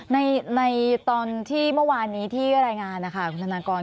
ในตอนที่เมื่อวานนี้ที่รายงานนะคะคุณธนากร